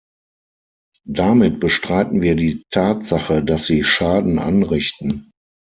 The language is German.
Damit bestreiten wir die Tatsache, dass sie Schaden anrichten.